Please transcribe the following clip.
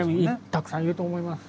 たくさんいると思います。